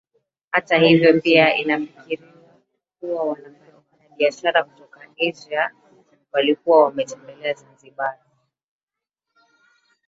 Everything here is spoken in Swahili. Hata hivyo pia inafikiriwa kuwa wafanyabiashara kutoka Asia walikuwa wametembelea Zanzibar